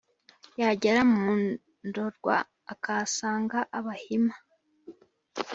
” yagera mu ndorwa akahasanga abahima;